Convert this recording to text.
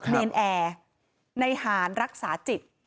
เนรนแอร์ในหารรักษาจิต